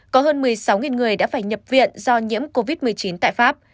có hơn một mươi sáu người đã phải nhập viện do nhiễm covid một mươi chín tại pháp